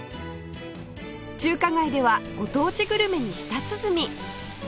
中華街ではご当地グルメに舌鼓